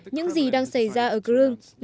những gì đang xảy ra ở crimea